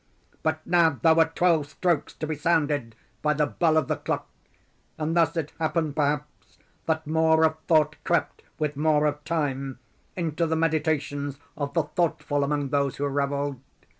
But now there were twelve strokes to be sounded by the bell of the clock; and thus it happened, perhaps, that more of thought crept, with more of time, into the meditations of the thoughtful among those who revelled.